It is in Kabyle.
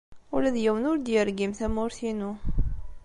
Ula d yiwen ur d-yergim tamurt-inu.